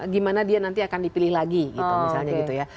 gimana dia nanti akan dipilih lagi gitu misalnya gitu ya